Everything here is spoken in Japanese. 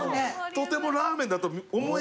とてもラーメンだと思えない。